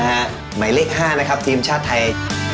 นะฮะไหมเลข๕นะครับทีมชาติไทย